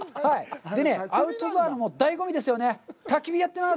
アウトドアのだいご味ですよね、たき火やってます！